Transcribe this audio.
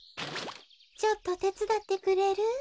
ちょっとてつだってくれる？